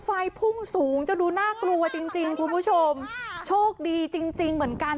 ไฟพุ่งสูงจนดูน่ากลัวจริงจริงคุณผู้ชมโชคดีจริงจริงเหมือนกัน